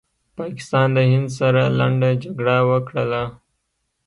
پاکستان د هند سره لنډه جګړه وکړله